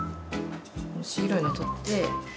この白いの取って。